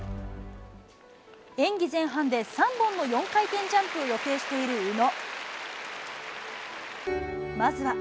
演技前半で３本の４回転ジャンプを予定している宇野。